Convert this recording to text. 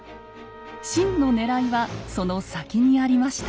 真のねらいはその先にありました。